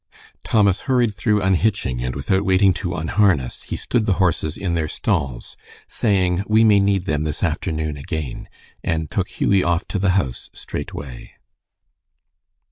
Thomas hurried through unhitching, and without waiting to unharness he stood the horses in their stalls, saying, "We may need them this afternoon again," and took Hughie off to the house straight way.